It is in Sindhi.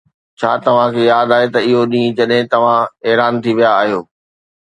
ڇا توهان کي ياد آهي اهو ڏينهن جڏهن توهان حيران ٿي ويا آهيو؟